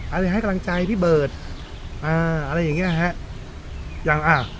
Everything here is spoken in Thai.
อะไรให้กำลังใจพี่เบิร์ตอ่าอะไรอย่างเงี้ยฮะยังอ่ะ